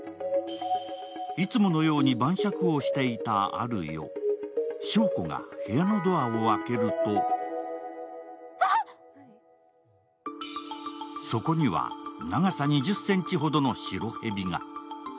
いつものように晩酌をしていたある夜、祥子が部屋のドアを開けるとそこには、長さ２０ｃｍほどの白蛇が。